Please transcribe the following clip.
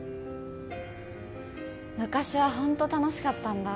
昔はホント楽しかったんだ。